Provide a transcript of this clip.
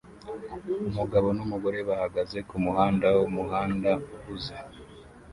Umugabo numugore bahagaze kumuhanda wumuhanda uhuze